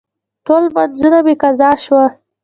ټول لمونځونه مې قضا شوه.